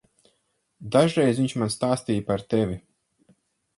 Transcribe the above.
Dažreiz viņš man stāstīja par tevi.